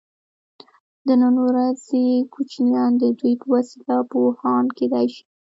د نن ورځې کوچنیان د دوی په وسیله پوهان کیدای شي.